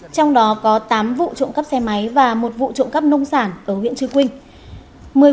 trong đó có tám vụ trộm cắp xe máy và một vụ trộm cắp nông sản ở huyện trư quynh